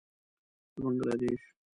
د بنګله دېش.